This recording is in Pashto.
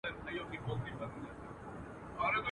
لکه ستړی چي باغوان سي پر باغ ټک وهي لاسونه.